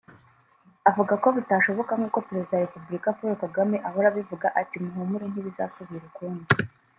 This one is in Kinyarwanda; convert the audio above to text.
avuga ko bitashoboka nkuko Perezida wa Repubulika Paul Kagame ahora abivuga ati “Muhumure Ntibizasubira ukundi”